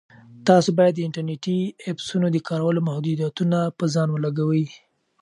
تاسو باید د انټرنیټي ایپسونو د کارولو محدودیتونه په ځان ولګوئ.